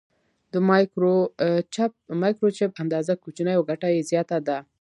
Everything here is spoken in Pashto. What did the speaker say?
د مایکروچپ اندازه کوچنۍ او ګټه یې زیاته ده.